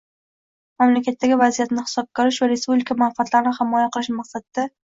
Mamlakatdagi vaziyatni hisobga olish va respublika manfaatlarini himoya qilish maqsadida: